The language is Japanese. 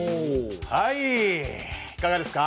いかがですか？